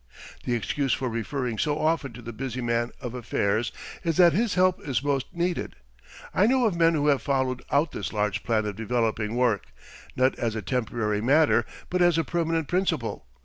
The excuse for referring so often to the busy man of affairs is that his help is most needed. I know of men who have followed out this large plan of developing work, not as a temporary matter, but as a permanent principle.